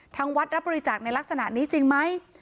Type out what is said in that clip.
ทางวัดรับบริจาคในลักษณะนี้จริงไหม